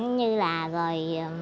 như là rồi